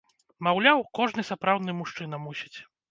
Маўляў, кожны сапраўдны мужчына мусіць.